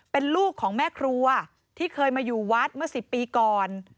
เป็นลูกของแม่ครัวที่เคยมาอยู่วัดเมื่อ๑๐ปีก่อน